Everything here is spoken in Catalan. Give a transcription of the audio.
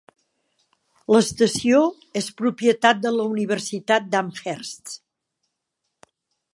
L'estació és propietat de la universitat d'Amherst.